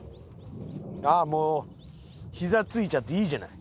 あっもうひざ突いちゃっていいじゃない。